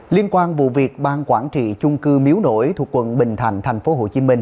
liên quan vụ việc bang quản trị chung cư miếu nổi thuộc quận bình thạnh tp hcm